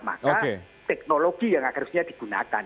maka teknologi yang harusnya digunakan